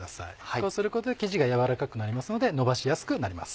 こうすることで生地が軟らかくなりますのでのばしやすくなります。